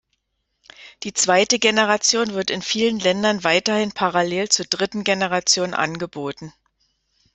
Die zweite Generation wird in vielen Ländern weiterhin parallel zur dritten Generation angeboten.